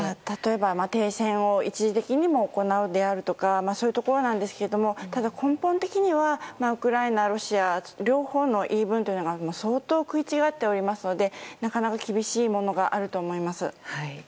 例えば、停戦を一時的に行うであるとかですけれどもただ、根本的にはウクライナ、ロシア両方の言い分というのが相当食い違っておりますのでなかなか厳しいものがあると思います。